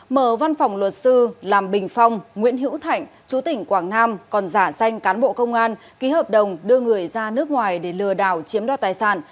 mở văn phòng luật sư làm bình phong nguyễn hữu thạnh chú tỉnh quảng nam còn giả danh cán bộ công an ký hợp đồng đưa người ra nước ngoài để lừa đảo chiếm đoạt tài sản